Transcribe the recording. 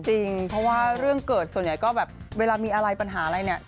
จริงเพราะว่าเรื่องเกิดส่วนใหญ่ก็แบบเวลามีอะไรปัญหาอะไรเนี่ย